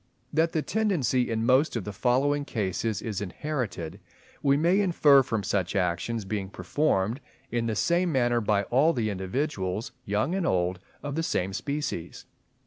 That the tendency in most of the following cases is inherited, we may infer from such actions being performed in the same manner by all the individuals, young and old, of the same species.